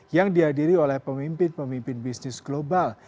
yang dihadiri oleh pemimpin pemimpin bisnis global